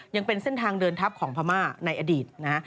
ยังเป็นเส้นทางเดินทัพของพม่าในอดีตนะฮะ